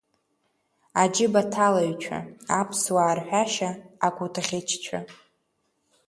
Аџьыбаҭалаҩцәа, аԥсуаа рҳәашьа, акәытӷьычцәа.